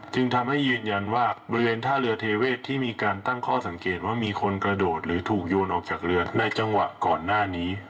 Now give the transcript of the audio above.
จึงทำให้ยืนยันว่าบริเวณท่าเรือเทเวศที่มีการตั้งข้อสังเกตว่ามีคนกระโดดหรือถูกโยนออกจากเรือในจังหวะก่อนหน้านี้